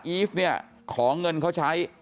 อีฟเนี่ยขอเงินเขาใช้